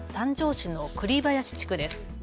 市の栗林地区です。